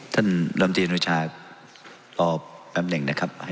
ท่านรำตีย์อนุชารอแป๊บนึงนะครับ